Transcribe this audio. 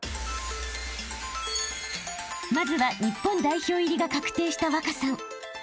［まずは日本代表入りが確定した稚さん］